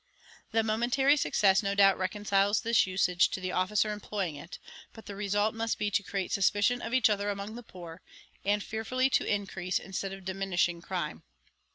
The momentary success no doubt reconciles this usage to the officer employing it; but the result must be to create suspicion of each other among the poor, and fearfully to increase instead of diminishing crime.